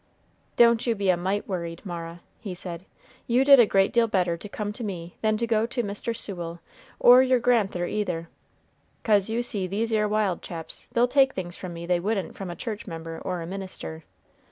"Don't you be a mite worried, Mara," he said. "You did a great deal better to come to me than to go to Mr. Sewell or your grand'ther either; 'cause you see these 'ere wild chaps they'll take things from me they wouldn't from a church member or a minister.